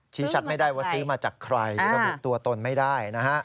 ชี้ชัดไม่ได้ว่าซื้อมาจากใครระบุตัวตนไม่ได้นะฮะ